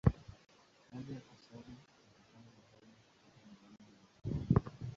Haja ya kusali inatokana na haja ya kupata neema za msaada.